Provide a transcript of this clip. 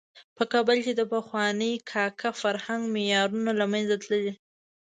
په کابل کې د پخواني کاکه فرهنګ معیارونه له منځه تللي.